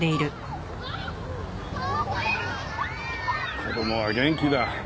子供は元気だ。